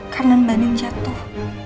karena mbak nin jatuh